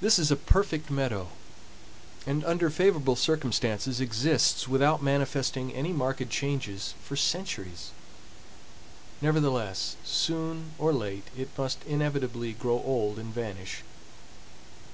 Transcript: This is a perfect meadow, and under favorable circumstances exists without manifesting any marked changes for centuries. Nevertheless, soon or late it must inevitably grow old and vanish.